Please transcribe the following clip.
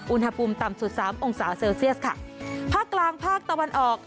อุณหภูมิต่ำสุดสามองศาเซลเซียสค่ะภาคกลางภาคตะวันออก